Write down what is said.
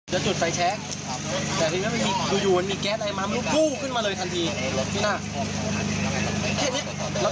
จะจุดฟัยแช๊กแต่ทีนี้มันมีอยู่เหมือนมีแก๊สไอน้ำ